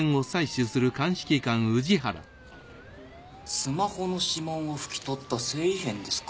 スマホの指紋をふき取った繊維片ですか。